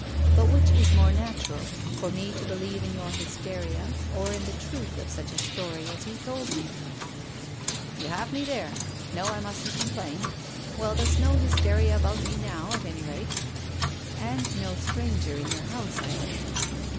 But which is more natural — for me to be lieve in your hysteria or in the truth of such a story as you told me ?"" You have me there. No, I mustn't complain. Well, there's no hysteria about me now, at any rate." "And no stranger in your house, I hope."